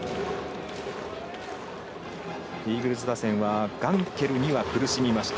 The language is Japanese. イーグルス打線はガンケルには苦しみました。